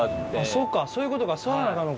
そっかそういうことか。